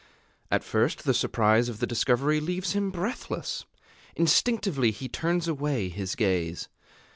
At first the surprise of the discovery leaves him breathless: instinctively he turns away his gaze.